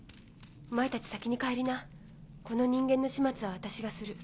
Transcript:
お前たち先に帰りなこの人間の始末は私がする。